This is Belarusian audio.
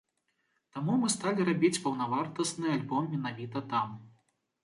Таму мы сталі рабіць паўнавартасны альбом менавіта там.